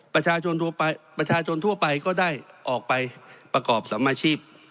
ประชาชนทั่วไปก็ได้ออกไปประกอบสามมาชีพ